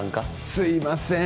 すいません